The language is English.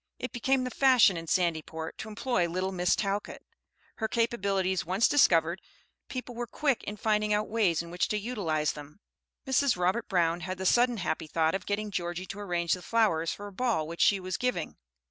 It became the fashion in Sandyport to employ "little Miss Talcott." Her capabilities once discovered, people were quick in finding out ways in which to utilize them. Mrs. Robert Brown had the sudden happy thought of getting Georgie to arrange the flowers for a ball which she was giving.